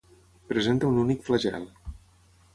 Presenta un únic flagel.